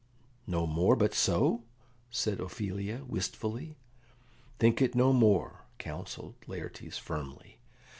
"No more but so?" said Ophelia wistfully. "Think it no more," counselled Laertes firmly.